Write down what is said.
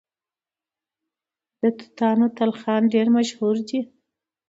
د توتانو تلخان ډیر مشهور دی.